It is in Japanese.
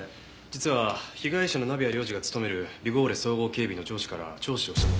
実は被害者の鍋谷亮次が勤めるビゴーレ総合警備の上司から聴取をした時。